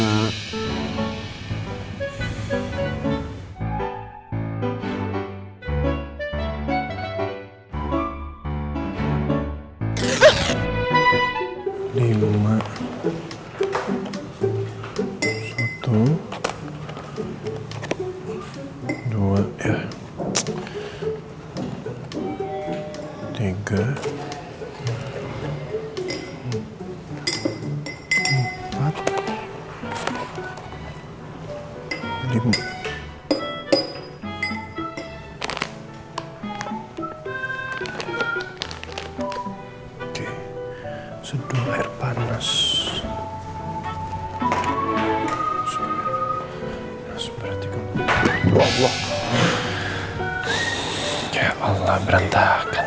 andi cabut gugatan